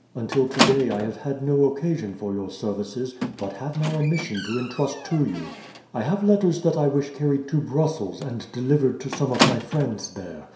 Until today I have had no occasion for your services, but have now a mission to intrust to you. I have letters that I wish carried to Brussels and delivered to some of my friends there.